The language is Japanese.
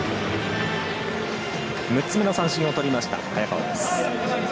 ６つ目の三振をとりました、早川。